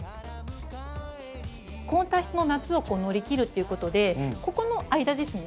高温多湿の夏を乗り切るっていうことでここの間ですね